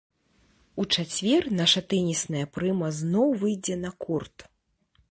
У чацвер наша тэнісная прыма зноў выйдзе на корт.